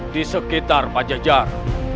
di sekitar pajajar